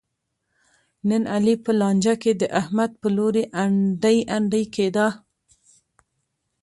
نن علي په لانجه کې د احمد په لوري انډی انډی کېدا.